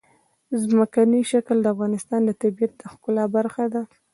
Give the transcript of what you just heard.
ځمکنی شکل د افغانستان د طبیعت د ښکلا برخه ده.